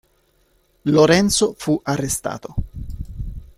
Lorenzo fu arrestato.